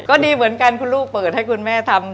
ก็ดีเหมือนกันคุณลูกเปิดให้คุณแม่ทำ